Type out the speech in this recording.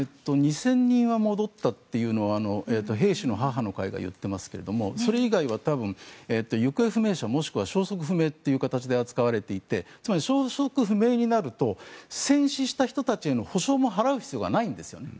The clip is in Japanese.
２０００人は戻ったというのは兵士の母の会が言っていますがそれ以外は多分、行方不明者もしくは消息不明という形で扱われていて扱われていてつまり消息不明になると戦死した人への補償も払う必要がないんですよね。